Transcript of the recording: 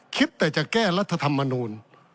คิดแต่จะแก้รัฐธรรมนูล